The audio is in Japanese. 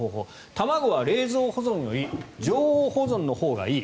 卵は冷蔵保存より常温保存のほうがいい。